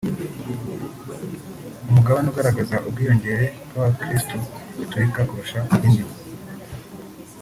umugabane ugaragaza ubwiyongere bw’Abakirisitu gatulika kurusha indi